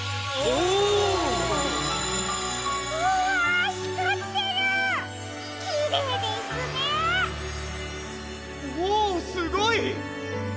おおすごい！